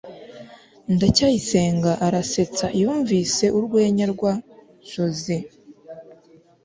ndacyayisenga arasetsa yumvise urwenya rwa joze